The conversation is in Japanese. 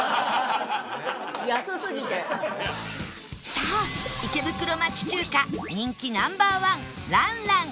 さあ池袋町中華人気 Ｎｏ．１ 蘭蘭